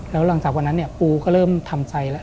แล้วหลังจากวันนั้นเนี่ยปูก็เริ่มทำใจแล้ว